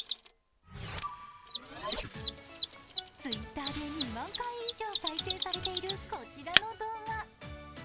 Ｔｗｉｔｔｅｒで２万回以上再生されているこちらの動画。